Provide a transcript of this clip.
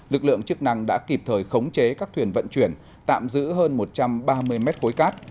lực lượng chức năng đã kịp thời khống chế các thuyền vận chuyển tạm giữ hơn một trăm ba mươi mét khối cát